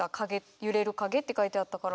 「揺れる影」って書いてあったから。